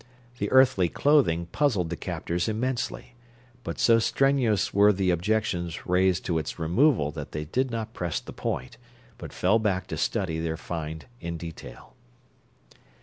The earthly clothing puzzled the captors immensely, but so strenuous were the objections raised to its removal, but they did not press the point, but fell back to study their find in detail.